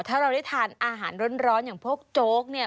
ถ้าเราได้ทานอาหารร้อนอย่างพวกโจ๊กเนี่ย